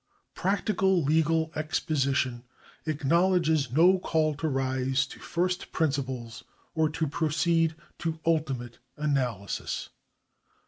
Practical legal exposition acknowledges no call to rise to first principles, or to proceed to ultimate analysis.